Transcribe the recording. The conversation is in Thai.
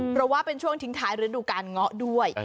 เพราะว่าเป็นช่วงทิ้งท้ายฤดูการเงาะด้วย